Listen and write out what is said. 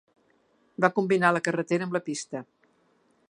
Va combinar la carretera amb la pista.